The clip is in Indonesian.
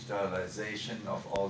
semua kelepasan semua pesanan